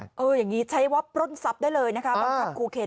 เอออย่างนี้ใช้วับปร้นทรัพย์ได้เลยนะครับบำคับครูเข็น